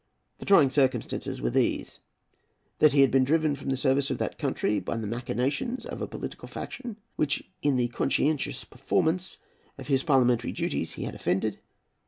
The "trying circumstances" were these,—that he had been driven from the service of that country by the machinations of a political faction, which, in the conscientious performance of his parliamentary duties, he had offended.